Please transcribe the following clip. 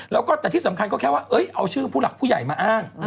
แล้วก็แต่ที่สำคัญก็แค่ว่าเอาชื่อผู้หลักผู้ใหญ่มาอ้าง